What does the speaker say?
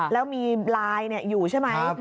แล้วมีไลน์อยู่ใช่ไหม